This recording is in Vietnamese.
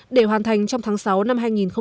để hoàn thành trong tháng sáu năm hai nghìn hai mươi